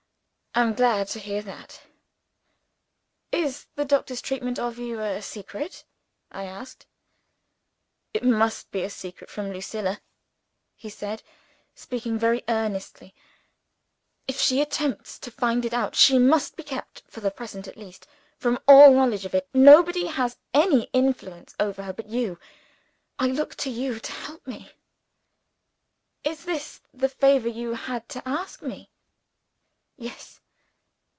"I'm glad to hear that." "Is the doctor's treatment of you a secret?" I asked. "It must be a secret from Lucilla," he said, speaking very earnestly. "If she attempts to find it out, she must be kept for the present, at least from all knowledge of it. Nobody has any influence over her but you. I look to you to help me." "Is this the favor you had to ask me?" "Yes."